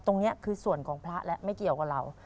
ตรงนี้คือส่วนของพระและไม่เกี่ยวกับเรา